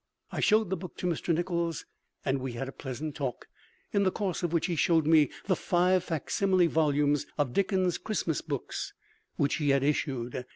I showed the book to Mr. Nichols, and we had a pleasant talk, in the course of which she showed me the five facsimile volumes of Dickens's Christmas books, which he had issued.